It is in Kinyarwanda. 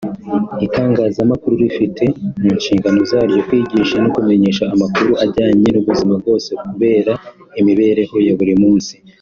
Itangazamakuru rifite mu nshingano zaryo kwigisha no kumenyesha amakuru ajyanye n’ubuzima bwose bureba imibereho ya buri munsi